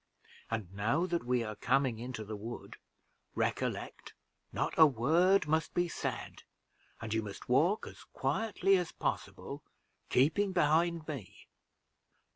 And now that we are coming into the wood, recollect, not a word must be said, and you must walk as quietly as possible, keeping behind me.